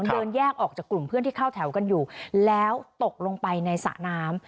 เดินแยกออกจากกลุ่มเพื่อนที่เข้าแถวกันอยู่แล้วตกลงไปในสระน้ำ